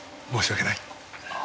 申し訳ない。